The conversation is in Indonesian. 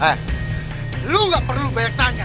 hei lo nggak perlu banyak tanya